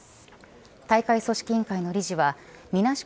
大会組織委員会の理事はみなし